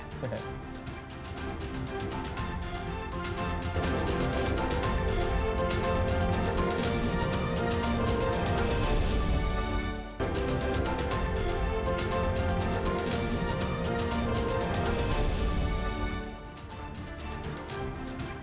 tunggu dulu ya